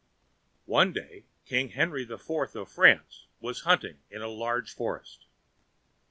One day King Henry the Fourth of France was hunting in a large forest.